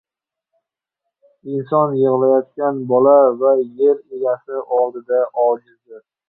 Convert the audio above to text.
• Inson yig‘layotgan bola va yer egasi oldida ojizdir.